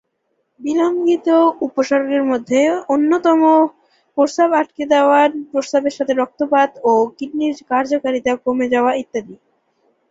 বিলম্বিত উপসর্গের মধ্যে অন্যতম হলো প্রস্রাব আটকে যাওয়া, প্রস্রাবের সাথে রক্তপাত ও কিডনির কার্যকারিতা কমে যাওয়া ইত্যাদি।